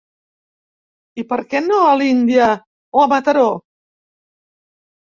I per què no a l'Índia, o a Mataró?